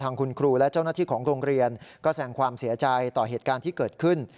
คุณครูและเจ้าหน้าที่ของโรงเรียนก็แสงความเสียใจต่อเหตุการณ์ที่เกิดขึ้น